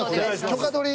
許可取り。